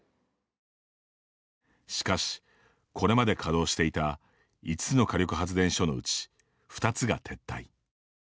しかし、これまで稼働していた５つの火力発電所のうち２つが撤退。